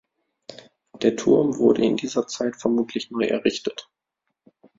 Der Turm wurde in dieser Zeit vermutlich neu errichtet.